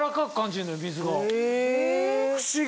不思議！